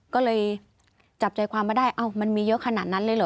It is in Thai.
ก็เลยจับใจความมาได้มันมีเยอะขนาดนั้นเลยเหรอ